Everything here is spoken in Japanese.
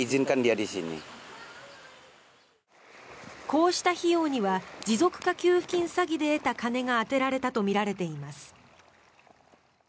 こうした費用には持続化給付金詐欺で得た金が充てられたとみられています。